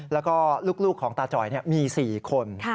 แล้วก็ลูกของตาจอยมี๔คน